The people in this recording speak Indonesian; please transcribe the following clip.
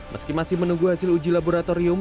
meski masih menunggu hasil uji laboratorium